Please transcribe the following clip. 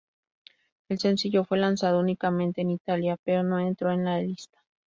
El sencillo fue lanzado únicamente en Italia, pero no entró en la lista.